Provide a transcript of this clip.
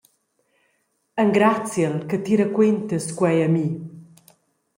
Engraziel che ti raquentas quei a mi.